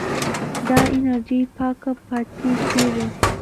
دا انرژي پاکه پاتې کېږي.